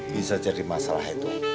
bisa jadi masalah itu